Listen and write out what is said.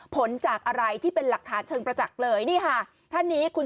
ผลจากอะไรที่เป็นหลักฐานเชิงประจักษ์เลยนี่ค่ะท่านนี้คุณ